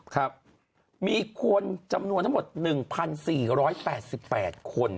ครับมีคนจำนวนทั้งหมด๑๔๘๘คน